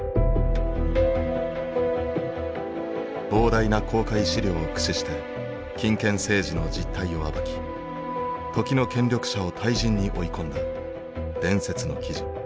膨大な公開資料を駆使して金権政治の実態を暴き時の権力者を退陣に追い込んだ伝説の記事。